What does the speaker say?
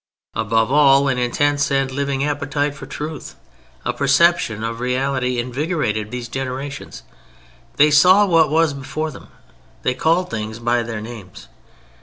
Above all, an intense and living appetite for truth, a perception of reality, invigorated these generations. They saw what was before them, they called things by their names.